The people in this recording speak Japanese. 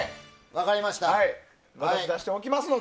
分かりました。